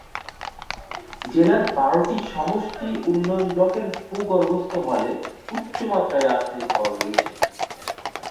জেলার বারোটি সমষ্টি উন্নয়ন ব্লকের ভূগর্ভস্থ হলে উচ্চ মাত্রায় আর্সেনিক পাওয়া গিয়েছে।